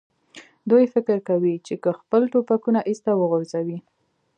دوی فکر کوي، چې که خپل ټوپکونه ایسته وغورځوي.